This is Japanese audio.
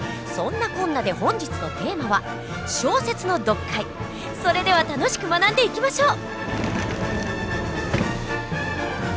そんなこんなで本日のテーマはそれでは楽しく学んでいきましょう。